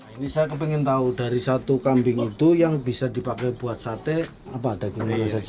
ini saya ingin tahu dari satu kambing itu yang bisa dipakai buat sate apa daging mana saja